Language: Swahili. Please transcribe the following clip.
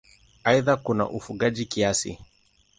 Aidha kuna ufugaji kiasi.